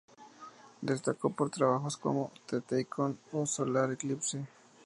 Destacó por trabajos como: The Tycoon o Solar Eclipse.